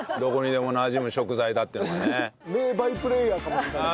名バイプレーヤーかもしれませんね。